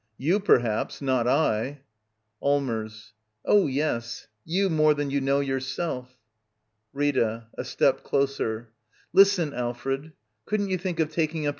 You, perhaps. Not I. ^^LLMERS. Oh, yes — you more than you know yourself. JtiTA. [A step closer.] Listen, Alfred — kiouldn't you think of taking up your work ain?